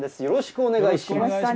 よろしくお願いします。